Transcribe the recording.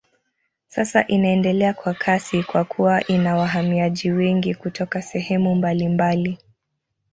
Sasa inaendelea kwa kasi kwa kuwa ina wahamiaji wengi kutoka sehemu mbalimbali.